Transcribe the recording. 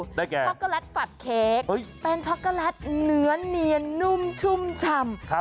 ช็อกโกแลตฟัดเค้กเป็นช็อกโกแลตเนื้อเนียนนุ่มชุ่มชำ